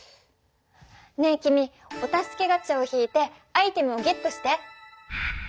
ねえ君お助けガチャを引いてアイテムをゲットして！